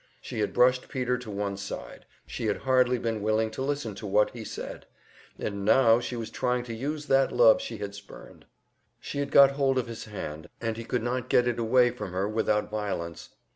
She had brushed Peter to one side, she had hardly been willing to listen to what he said; and now she was trying to use that love she had spurned! She had got hold of his hand, and he could not get it away from her without violence.